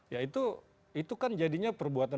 ya itu kan jadinya perbuatan